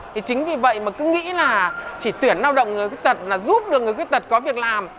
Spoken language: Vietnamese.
thì chính vì vậy mà cứ nghĩ là chỉ tuyển lao động người khuyết tật là giúp được người khuyết tật có việc làm